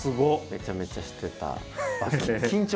めちゃめちゃしてた場所です。